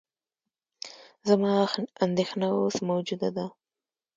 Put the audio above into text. زما اندېښنه اوس موجوده ده.